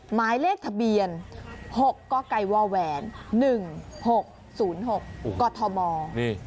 หมายเลขทะเบียนหกก็ไกว้วแหวนหนึ่งหกศูนย์หกก็ทอมอร์